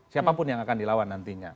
siapapun yang akan dilawan nantinya